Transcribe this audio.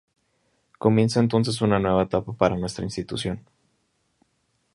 Comienza entonces una nueva etapa para nuestra institución.